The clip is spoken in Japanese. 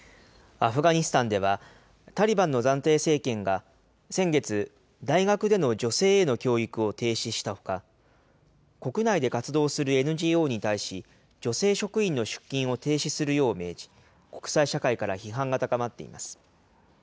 アフガニスタンでは、タリバンの暫定政権が先月、大学での女性への教育を停止したほか、国内で活動するＮＧＯに対し、女性職員の出勤を停止するよう命じ、国際社会から批判が高まっています。